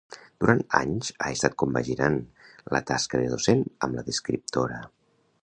Durant anys ha estat compaginant la tasca de docent amb la d'escriptora.